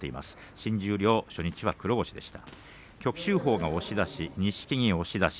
新十両初日は黒星でした。